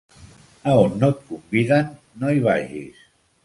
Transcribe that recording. A on no et conviden, no hi vagis.